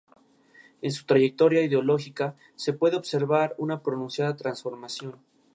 En su trayectoria ideológica se puede observar una pronunciada transformación.